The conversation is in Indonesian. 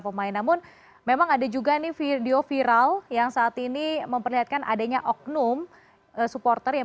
pemain namun memang ada juga nih video viral yang saat ini memperlihatkan adanya oknum supporter yang